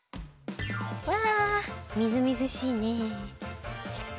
うわみずみずしいね。